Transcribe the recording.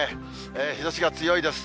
日ざしが強いです。